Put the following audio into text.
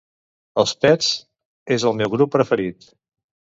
Els Pets és el meu grup preferit.